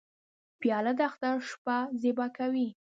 پیاله د اختر شپه زیبا کوي.